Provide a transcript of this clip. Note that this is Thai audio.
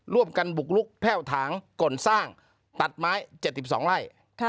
ร่วมกันบุกลุกแพ่วถางกลสร้างตัดไม้๗๒ไร่